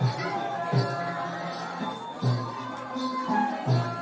การทีลงเพลงสะดวกเพื่อความชุมภูมิของชาวไทย